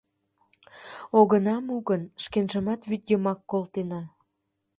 Огына му гын, шкенжымат вӱдйымак колтена...